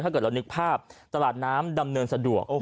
ถ้าเกิดเรานึกภาพตลาดน้ำดำเนินสะดวก